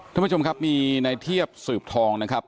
ท่านผู้ชมครับมีในเทียบสืบทองนะครับ